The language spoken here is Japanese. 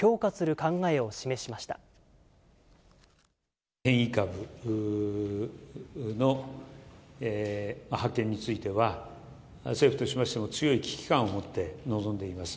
変異株の発見については、政府としましても強い危機感を持って臨んでいます。